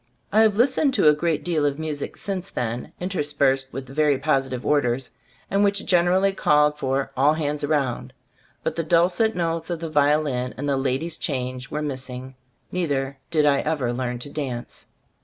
I have listened to a great deal of music since then, interspersed with very positive orders, and which gen erally called for "all hands round" but the dulcet notes of the violin and the "ladies change" were missing. Neither did I ever learn to dance.